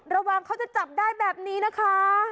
ระวังเขาจะจับได้แบบนี้นะคะ